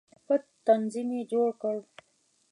پټ تنظیم یې جوړ کړ.